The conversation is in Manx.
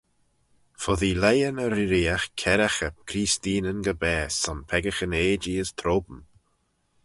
Foddee leighyn y reeriaght kerraghey Creesteenyn gy-baase son peccaghyn eajee as trome.